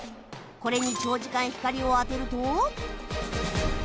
これに長時間光を当てると